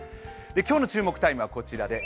今日の注目タイムはこちらです。